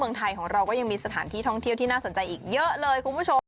เมืองไทยของเราก็ยังมีสถานที่ท่องเที่ยวที่น่าสนใจอีกเยอะเลยคุณผู้ชม